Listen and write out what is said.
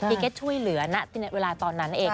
เก็ตช่วยเหลือณเวลาตอนนั้นเอง